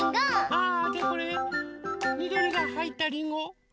あでこれみどりがはいったりんご。